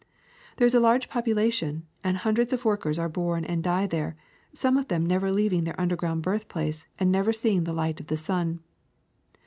There is a large population, and hundreds of work men are born and die there, some of them never leav ing their underground birthplace and never seeing the light of the sun.